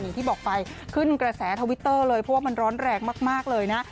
อย่างที่บอกไปขึ้นกระแสทวิตเตอร์เลยเพราะว่ามันร้อนแรงมากเลยนะ